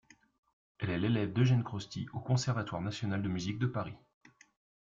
Elle est l’élève d’Eugène Crosti, au Conservatoire national de musique de Paris.